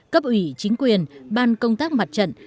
cấp ủy chính quyền ban công tác mặt trận